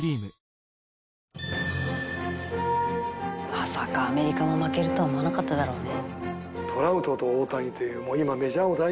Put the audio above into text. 「まさかアメリカも負けるとは思わなかっただろうね」